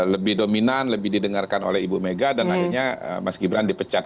lebih dominan lebih didengarkan oleh ibu mega dan akhirnya mas gibran dipecat